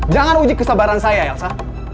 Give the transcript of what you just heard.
jangan uji kesabaran saya elsa